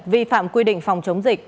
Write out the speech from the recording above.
vi phạm quy định phòng chống dịch